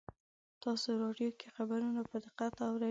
تاسې راډیو کې خبرونه په دقت اورئ